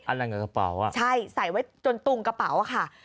อะไรกับกระเป๋าอ่ะใช่ใส่ไว้จนตุงกระเป๋าอะค่ะ